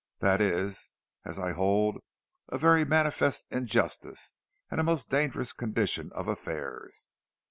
This is, as I hold, a very manifest injustice, and a most dangerous condition of affairs."